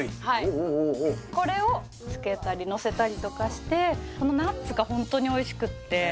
はいこれをつけたりのせたりとかしてこのナッツがホントにおいしくって